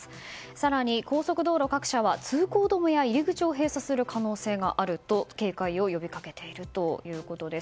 更に、高速道路各社は通行止めや入り口を閉鎖する可能性があると警戒を呼びかけているということです。